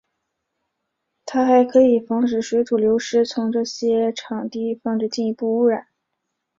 它还可以防止水土流失从这些场地防止进一步污染。